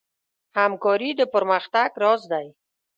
همکاري د پرمختګ راز دی.